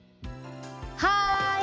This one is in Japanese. はい！